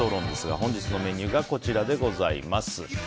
本日のメニューがこちらです。